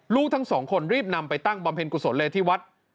ลูกทั้งสองคนรีบนำไปตั้งบำเพ็ญกุศลเลยที่วัด